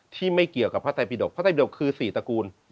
ที่ไม่เกี่ยวกับพระไตปิดกพระไตดกคือ๔ตระกูล